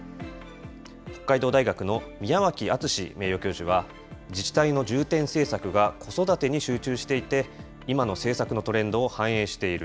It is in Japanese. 北海道大学の宮脇淳名誉教授は、自治体の重点政策が子育てに集中していて、今の政策のトレンドを反映している。